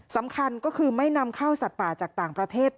สำคัญก็คือไม่นำเข้าสัตว์ป่าจากต่างประเทศ